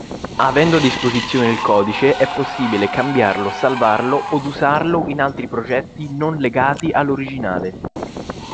Avendo a disposizione il codice è possibile cambiarlo, salvarlo od usarlo in altri progetti non legati all'originale.